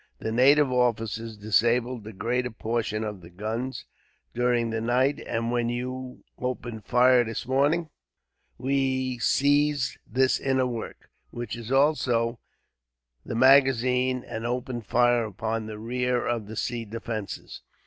The native officers disabled the greater portion of the guns, during the night; and when you opened fire this morning we seized this inner work, which is also the magazine, and opened fire upon the rear of the sea defences.